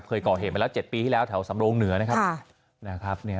เคยก่อเหตุไปแล้ว๗ปีที่แล้วแถวสำโรงเหนือนะครับ